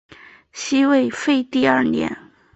西魏废帝二年。